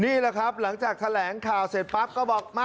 นี่แหละครับหลังจากแถลงข่าวเสร็จปั๊บก็บอกมา